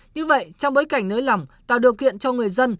như vậy trong bối cảnh nới lỏng tạo điều kiện cho người dân